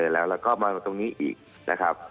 แล้วก็มาตรงนี้อีก